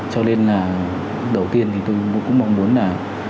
cho nên là đầu tiên thì tôi cũng mong muốn là